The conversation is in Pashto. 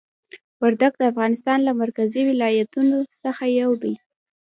وردګ د افغانستان له مرکزي ولایتونو څخه یو دی.